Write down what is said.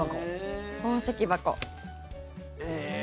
宝石箱。